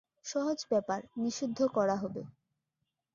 সহজ ব্যাপার, নিষিদ্ধ করা হবে।